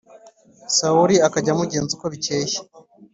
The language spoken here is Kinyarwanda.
Sawuli akajya amugenza uko bukeye